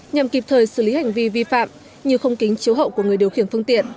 nhằm kịp thời xử lý hành vi vi phạm như không kính chiếu hậu của người điều khiển phương tiện